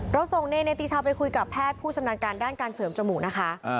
เราส่งเนเนติชาวไปคุยกับแพทย์ผู้ชำนาญการด้านการเสริมจมูกนะคะ